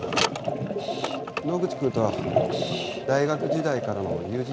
野口くんとは大学時代からの友人です。